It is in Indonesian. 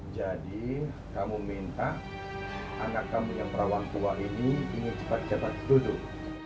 jadi kamu minta anak kamu yang perawang tua ini ingin cepat cepat duduk